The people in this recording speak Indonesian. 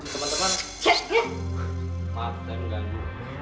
sini ga sempet ya